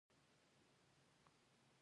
یورانیم د افغانستان د طبیعي زیرمو برخه ده.